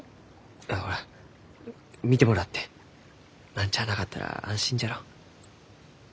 ほら診てもらって何ちゃあなかったら安心じゃろ？